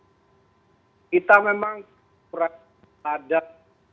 kita memang kurang teladan